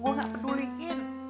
gue engga peduliin